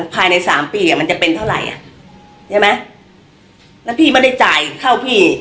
ภายในสามปีอ่ะมันจะเป็นเท่าไหร่อ่ะใช่ไหมแล้วพี่ไม่ได้จ่ายเข้าพี่